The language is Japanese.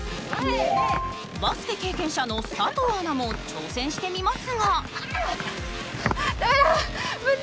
バスケ経験者の佐藤アナも挑戦してみますが。